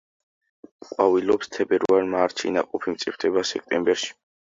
ყვავილობს თებერვალ-მარტში, ნაყოფი მწიფდება სექტემბერში.